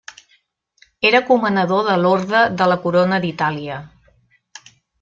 Era comanador de l'Orde de la Corona d'Itàlia.